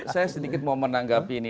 saya sedikit mau menanggapi ini